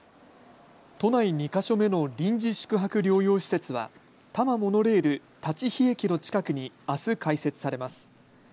都内２か所目の臨時宿泊療養施設は多摩モノレール、立飛駅の近くにあす開設されます。